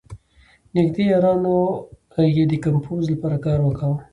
نېږدې یارانو یې د کمپوز لپاره کار ورکاوه.